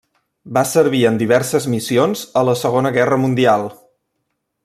Va servir en diverses missions a la Segona Guerra Mundial.